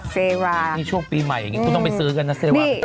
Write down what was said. เซวานี่ช่วงปีใหม่ต้องไปซื้อกันนะเซวา